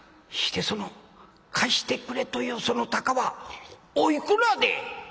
してその貸してくれというその高はおいくらで？」。